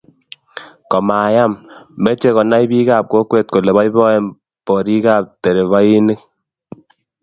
komayam, meche konay biikap kokwet kole boiboen borikab terevainik